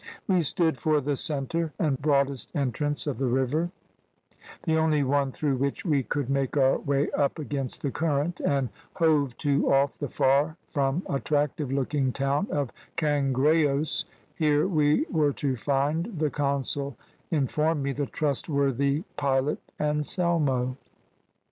We stood for the centre and broadest entrance of the river, the only one through which we could make our way up against the current, and hove to off the far from attractive looking town of Cangrayos here we were to find, the consul informed me, the trustworthy pilot Anselmo.